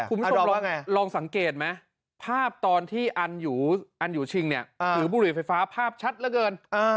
คุณผู้ชมลองสังเกตไหมภาพตอนที่อันอยู่ชิงเนี่ยถือบุหรี่ไฟฟ้าภาพชัดเหลือเกิน